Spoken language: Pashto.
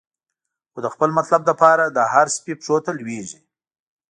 خو د خپل مطلب لپاره، د هر سپی پښو ته لویږی